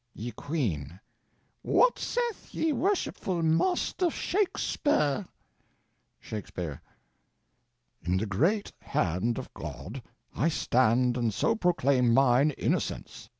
] Ye Queene. What saith ye worshipful Master Shaxpur? Shaxpur. In the great hand of God I stand and so proclaim mine innocence.